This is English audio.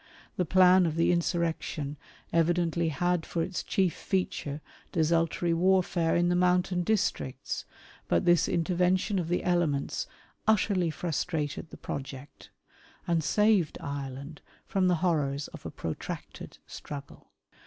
The plan '' of the insurrection evidently had for its chief feature desultory " warfare in the mountain districts, but this intervention of the " elements utterly frustrated the project, and saved Ireland from '' the horrors of a protracted struggle."